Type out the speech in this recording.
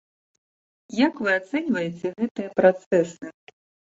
Як вы ацэньваеце гэтыя працэсы?